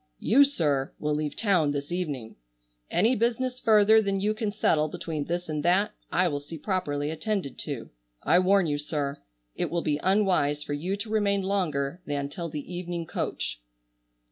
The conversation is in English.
You, sir, will leave town this evening. Any business further than you can settle between this and that I will see properly attended to. I warn you, sir, it will be unwise for you to remain longer than till the evening coach."